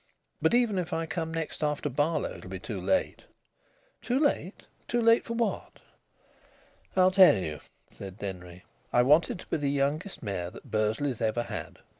But even if I come next after Barlow it'll be too late." "Too late? Too late for what?" "I'll tell you," said Denry. "I wanted to be the youngest mayor that Bursley's ever had.